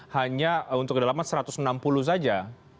hanya untuk kedalaman satu ratus enam puluh saja